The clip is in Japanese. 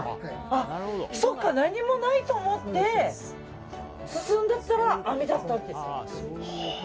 そっか、何もないと思って進んでいったら網だったって。